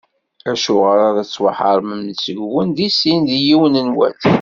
Acuɣer ara ttwaḥeṛmeɣ seg-wen di sin, deg yiwen n wass?